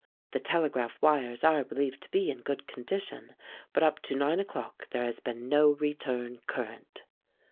The telegraph wires are believed to be in good condition, but up to nine o'clock there has been no return current.